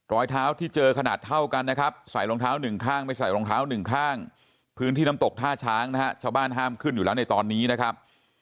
รอยเท้าที่เจอขนาดเท่ากันนะครับ